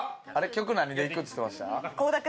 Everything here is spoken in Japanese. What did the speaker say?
曲何でいくっつってました？